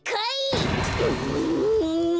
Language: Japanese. うん。